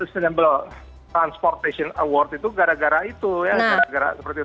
sepeda transportasi itu gara gara itu ya